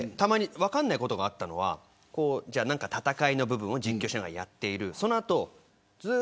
ゲーム実況を見ていて、たまに分からないことがあったのは戦いの部分を実況しながらやっている。